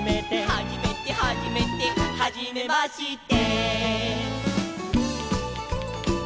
「はじめてはじめて」「はじめまして」